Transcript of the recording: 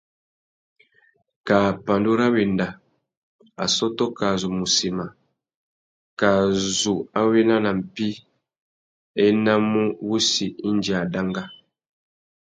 Kā pandú râ wenda, assôtô kā zu mù sema, kā zu a wena nà mpí, a enamú wussi indi a danga.